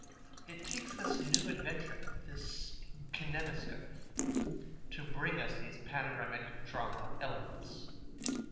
It takes this new invention, the kinetoscope, to bring us these panoramic drama elements.